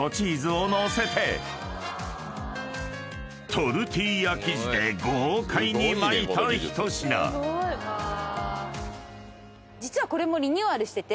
［トルティーヤ生地で豪快に巻いた一品］へぇ！